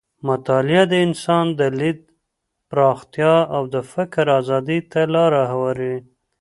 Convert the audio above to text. مطالعه د انسان د لید پراختیا او د فکر ازادۍ ته لاره هواروي.